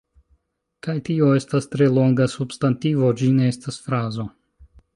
Kaj tio estas tre longa substantivo, ĝi ne estas frazo: